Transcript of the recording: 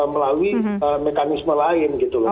melalui mekanisme lain gitu loh